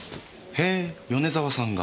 へぇ米沢さんが。